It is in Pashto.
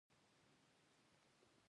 او د ژوند د ښه کولو لپاره دی.